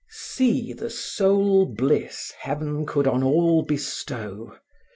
See the sole bliss Heaven could on all bestow!